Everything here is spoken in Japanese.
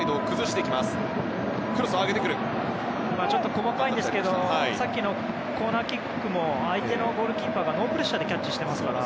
細かいんですけどさっきのコーナーキックも相手のゴールキーパーがノープレッシャーでキャッチしてますから。